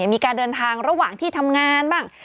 มีการเดินทางระหว่างที่ทำงานบ้าง